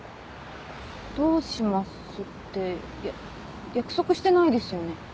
どうしますって約束してないですよね？